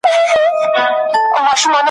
نن یې رنګ د شګوفو بوی د سکروټو ,